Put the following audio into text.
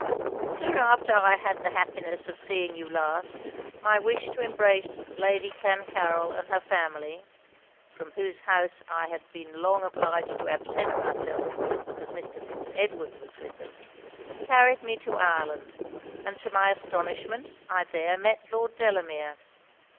'Soon after I had the happiness of seeing you last, my wish to embrace Lady Clancarryl and her family (from whose house I had been long obliged to absent myself because Mr. Fitz Edward was with them) carried me to Ireland; and to my astonishment I there met Lord Delamere.